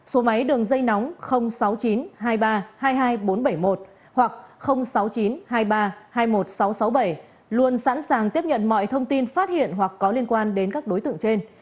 số máy đường dây nóng sáu mươi chín hai mươi ba hai mươi hai nghìn bốn trăm bảy mươi một hoặc sáu mươi chín hai mươi ba hai mươi một nghìn sáu trăm sáu mươi bảy luôn sẵn sàng tiếp nhận mọi thông tin phát hiện hoặc có liên quan đến các đối tượng trên